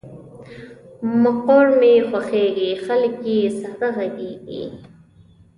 مقر مې خوښېږي، خلګ یې ساده غږیږي.